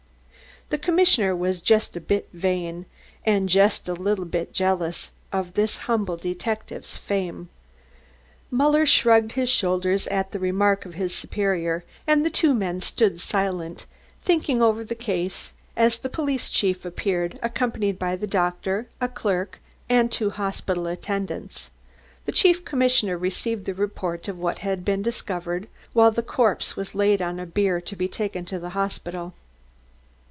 The commissioner was just a little bit vain, and just a little bit jealous of this humble detective's fame. Muller shrugged his shoulders at the remark of his superior, and the two men stood silent, thinking over the case, as the Chief of Police appeared, accompanied by the doctor, a clerk, and two hospital attendants. The chief commissioner received the report of what had been discovered, while the corpse was laid on a bier to be taken to the hospital.